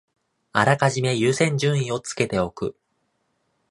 あらかじめ優先順位をつけておく